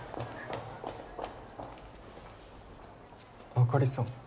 あかりさん